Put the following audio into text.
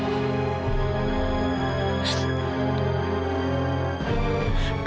padahal kak fadil sudah janji sama aku